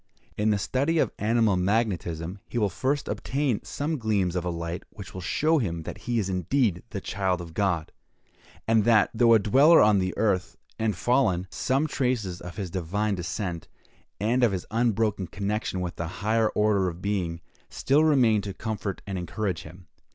In the study of animal magnetism, he will first obtain some gleams of a light which will show him that he is indeed the child of God! and that, though a dweller on the earth, and fallen, some traces of his divine descent, and of his unbroken connection with a higher order of being, still remain to comfort and encourage him.